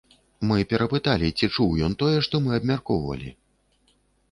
Мы перапыталі, ці чуў ён тое, што мы абмяркоўвалі?